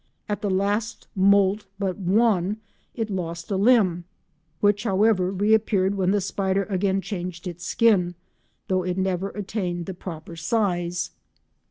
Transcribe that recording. At the last moult but one it lost a limb, which however, reappeared when the spider again changed its skin, though it never attained the proper size.